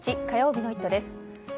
火曜日の「イット！」です。